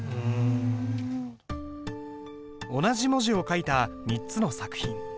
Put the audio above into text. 同じ文字を書いた３つの作品。